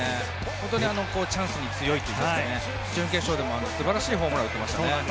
本当にチャンスに強いといいますか準決勝でも素晴らしいホームランを打ってましたね。